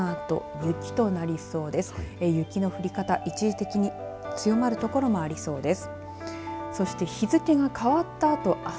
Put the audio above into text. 雪の降り方、一時的に強まる所もありそうです。